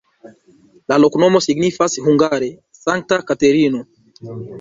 La loknomo signifas hungare: Sankta Katerino.